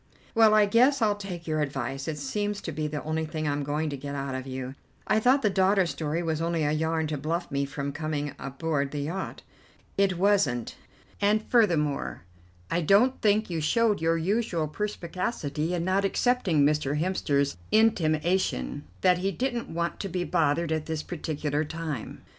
"Well, I guess I'll take your advice; it seems to be the only thing I'm going to get out of you. I thought the daughter story was only a yarn to bluff me from coming aboard the yacht." "It wasn't, and furthermore, I don't think you showed your usual perspicacity in not accepting Mr. Hemster's intimation that he didn't want to be bothered at this particular time."